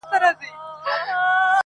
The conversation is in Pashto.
په دې هیله چي کامله مي ایمان سي,